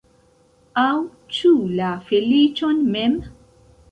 Aŭ ĉu la feliĉon mem?